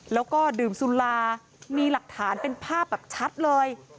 แล้วก็ดื่มสุรามีหลักฐานเป็นภาพแบบชัดเลย